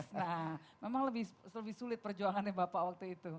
nah memang lebih sulit perjuangannya bapak waktu itu